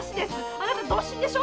あなた同心でしょ！